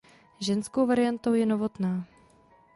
Ženskou variantou je Novotná.